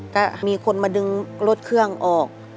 ก็มีคนมาดึงรถเครื่องออก